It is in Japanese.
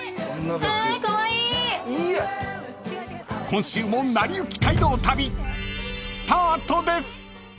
［今週も『なりゆき街道旅』スタートです］